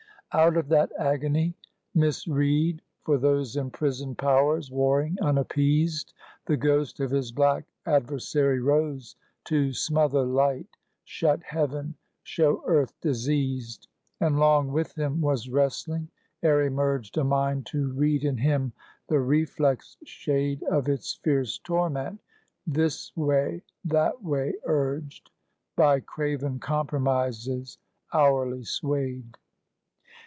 Out of that agony, misread for those Imprisoned Powers warring unappeased, The ghost of his black adversary rose, To smother light, shut heaven, show earth diseased. And long with him was wrestling ere emerged A mind to read in him the reflex shade Of its fierce torment; this way, that way urged; By craven compromises hourly swayed.